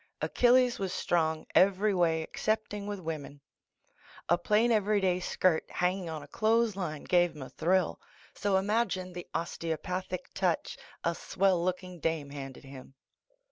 Achilles was strong every way excepting with women. A plain every day skirt hanging on a clothes line gave him a thrill, so imagine the osteopatliic touch a swell looking dame handed him.